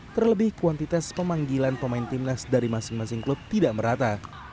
terlebih kuantitas pemanggilan pemain timnas dari masing masing klub tidak merata